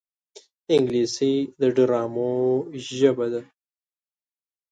انګلیسي د ډرامو ژبه ده